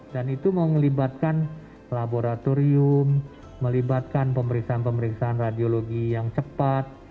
dan itu mau melibatkan laboratorium melibatkan pemeriksaan pemeriksaan radiologi yang cepat